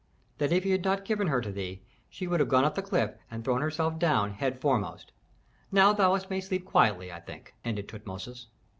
that if he had not given her to thee, she would have gone up the cliff and thrown herself down head foremost. Now thou mayst sleep quietly, I think," ended Tutmosis.